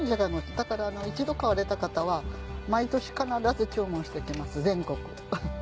だから一度買われた方は毎年必ず注文してきます全国。